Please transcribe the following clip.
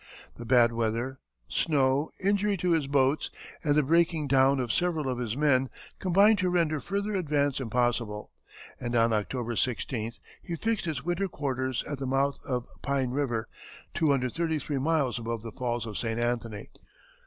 The bad weather, snow, injury to his boats, and the breaking down of several of his men, combined to render further advance impossible, and on October 16th he fixed his winter quarters at the mouth of Pine River, 233 miles above the Falls of St. Anthony.